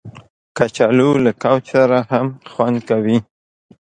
کچالو له کوچ سره هم خوند کوي